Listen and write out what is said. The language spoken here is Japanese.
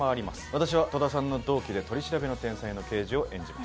私は戸田さんの同僚で取り調べの刑事を演じます。